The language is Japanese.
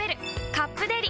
「カップデリ」